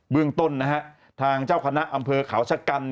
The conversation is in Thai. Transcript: เรื่องต้นนะฮะทางเจ้าคณะอำเภอเขาชะกัน